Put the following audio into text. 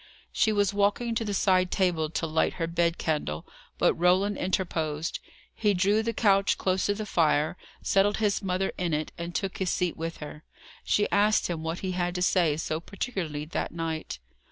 She was walking to the side table to light her bed candle, but Roland interposed. He drew the couch close to the fire, settled his mother in it, and took his seat with her. She asked him what he had to say so particularly that night.